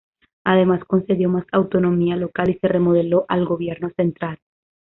Además, concedió más autonomía local y se remodeló el gobierno central.